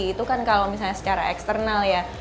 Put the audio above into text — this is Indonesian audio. itu kan kalau misalnya secara eksternal ya